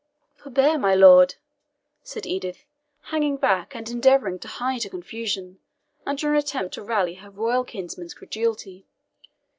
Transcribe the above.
"Forbear, my lord," said Edith, hanging back, and endeavouring to hide her confusion under an attempt to rally her royal kinsman's credulity.